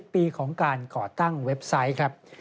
ปีของการก่อตั้งเว็บไซต์ครับ